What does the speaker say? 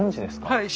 はい。